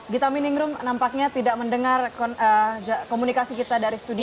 gita minningrum nampaknya tidak mendengar komunikasi kita dari studio